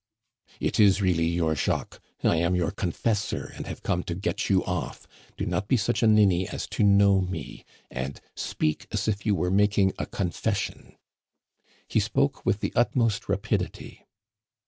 "It is really your Jacques; I am your confessor, and have come to get you off. Do not be such a ninny as to know me; and speak as if you were making a confession." He spoke with the utmost rapidity.